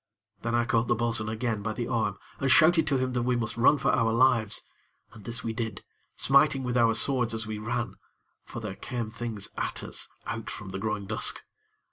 Then I caught the bo'sun again by the arm, and shouted to him that we must run for our lives; and this we did, smiting with our swords as we ran; for there came things at us, out from the growing dusk.